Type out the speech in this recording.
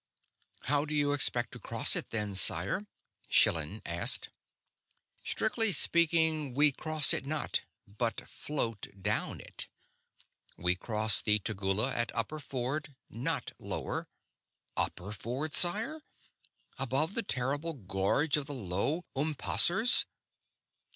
"How do you expect to cross it, then, sire?" Schillan asked. "Strictly speaking, we cross it not, but float down it. We cross the Tegula at Upper Ford, not Lower...." "Upper Ford, sire? Above the terrible gorge of the Low Umpasseurs?"